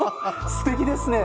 すてきですね。